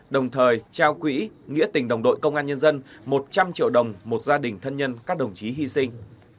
đồng thời trao quỹ nghĩa tình đồng đội công an nhân dân một trăm linh triệu đồng một gia đình thân nhân các đồng chí hy sinh